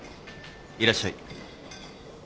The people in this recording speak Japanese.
いらっしゃい。